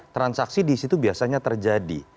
transaksi di situ biasanya terjadi